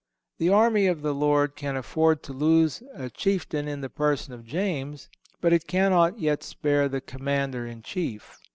(165) The army of the Lord can afford to lose a chieftain in the person of James, but it cannot yet spare the commander in chief.